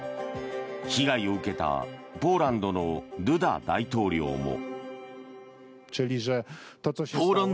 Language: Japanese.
被害を受けたポーランドのドゥダ大統領も。